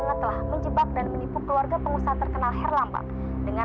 sampai jumpa di video selanjutnya